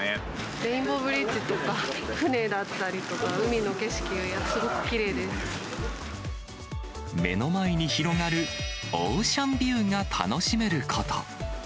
レインボーブリッジとか、船だったりとか、目の前に広がるオーシャンビューが楽しめること。